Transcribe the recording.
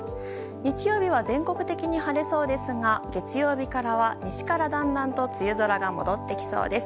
日曜日は全国的に晴れそうですが月曜日からは西からだんだんと梅雨空が戻ってきそうです。